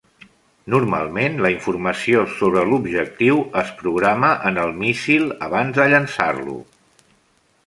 Normalment, la informació sobre l'objectiu es programa en el míssil abans de llançar-lo.